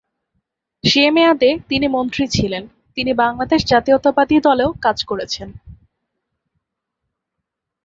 সে মেয়াদে তিনি মন্ত্রী ছিলেন। তিনি বাংলাদেশ জাতীয়তাবাদী দলেও কাজ করেছেন।